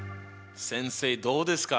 先生どうですか？